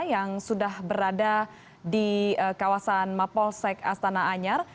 yang sudah berada di kawasan mapolsek astana anyar